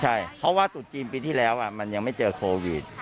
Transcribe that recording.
ใช่เพราะว่าตุดจีนปีที่แล้วมันยังไม่เจอโควิด